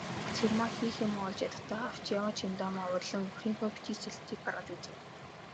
Цэрмаа хийх юмаа олж ядахдаа авч яваа чемоданаа уудлан нөхрийнхөө бичиг сэлтийг гаргаж үзэв.